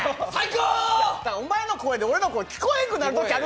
お前の声で俺の声聞こえんくなる。